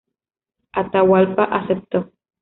Atahualpa aceptó.